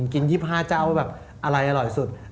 กิน๒๕เจ้าแบบอะไรอร่อยสุด